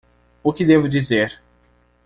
O que devo dizer?